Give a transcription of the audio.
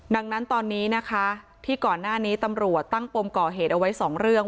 ดังนั้นตอนนี้นะคะที่ก่อนหน้านี้ตำรวจตั้งปมก่อเหตุเอาไว้สองเรื่อง